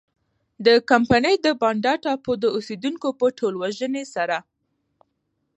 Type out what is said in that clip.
د کمپنۍ د بانډا ټاپو د اوسېدونکو په ټولوژنې سره.